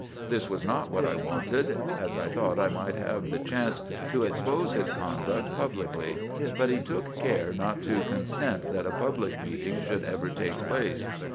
This was not what I wanted ; as I thought I might have the chance to expose his conduct publicly ; but he took care not to consent that a public meeting should ever take place.